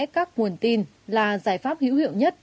các nguồn tin là giải pháp hữu hiệu nhất